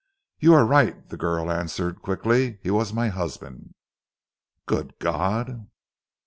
"You are right," the girl answered quickly. "He was my husband." "Good God!"